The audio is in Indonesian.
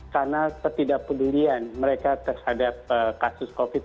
karena ketidakpedulian mereka terhadap kasus covid sembilan belas